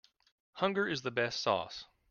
Hunger is the best sauce.